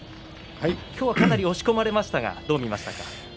今日はかなり押し込まれましたがどう見ましたか。